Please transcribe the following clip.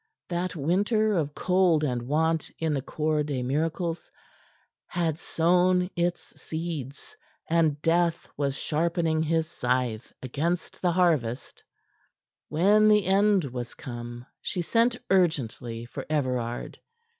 That winter of cold and want in the Cour des Miracles had sown its seeds, and Death was sharpening his scythe against the harvest. When the end was come she sent urgently for Everard.